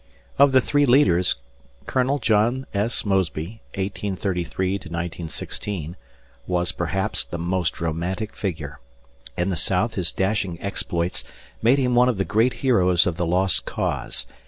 Of the three leaders Colonel John S. Mosby (1833 1916) was, perhaps, the most romantic figure. In the South his dashing exploits made him one of the great heroes of the "Lost Cause."